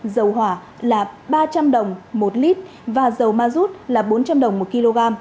dầu hòa là ba trăm linh đồng một lít và dầu mazut là bốn trăm linh đồng một kg